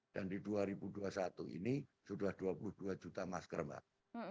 dan di dua ribu dua puluh satu ini sudah dua puluh dua juta masker mbak